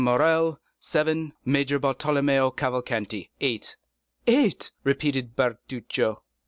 Morrel, seven; Major Bartolomeo Cavalcanti, eight." "Eight!" repeated Bertuccio.